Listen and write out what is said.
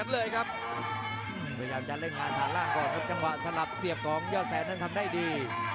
พยายามจะเล่นงานฐานล่างก่อนครับจังหวะสลับเสียบของยอดแสนนั้นทำได้ดี